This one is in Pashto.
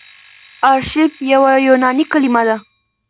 آرشیف يوه یوناني کليمه ده.